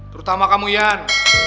terutama kamu ian